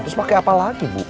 terus pakai apa lagi bu